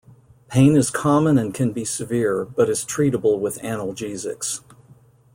Pain is common and can be severe, but is treatable with analgesics.